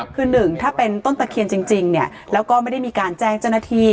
คือหนึ่งถ้าเป็นต้นตะเคียนจริงเนี่ยแล้วก็ไม่ได้มีการแจ้งเจ้าหน้าที่